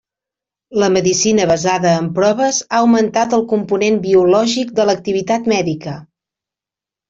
La medicina basada en proves ha augmentat el component biològic de l'activitat mèdica.